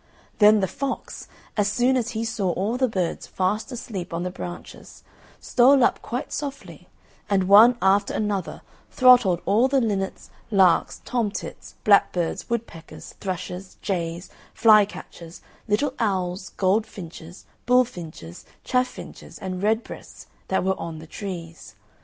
Then the fox, as soon as he saw all the birds fast asleep on the branches, stole up quite softly, and one after another, throttled all the linnets, larks, tomtits, blackbirds, woodpeckers, thrushes, jays, fly catchers, little owls, goldfinches, bullfinches, chaffinches, and redbreasts that were on the trees.